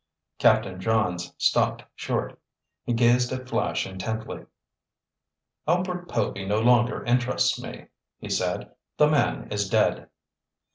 Captain Johns stopped short. He gazed at Flash intently. "Albert Povy no longer interests me," he said. "The man is dead."